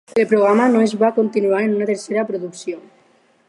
El programa no es va continuar en una tercera producció.